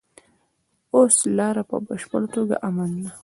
اوس لاره په بشپړه توګه امن ده.